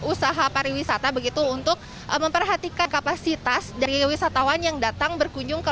usaha pariwisata begitu untuk memperhatikan kapasitas dari wisatawan yang datang berkunjung ke